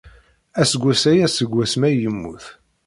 Aseggas aya seg wasmi ay yemmut.